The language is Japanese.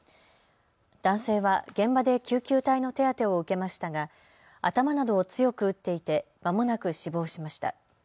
男性は現場で救急隊の手当てを受けましたが頭などを強く打っていてまもなく死亡しました。